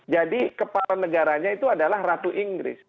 kepala negaranya itu adalah ratu inggris